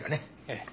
ええ。